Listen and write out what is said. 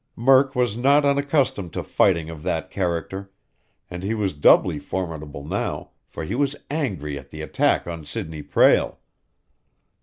Murk was not unaccustomed to fighting of that character, and he was doubly formidable now, for he was angry at the attack on Sidney Prale.